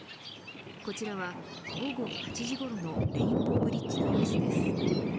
こちらは午後８時ごろのレインボーブリッジの様子です。